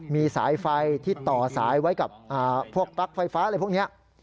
มีสายไฟที่ต่อสายไว้กับพวกปลั๊กไฟฟ้าอะไรพวกนี้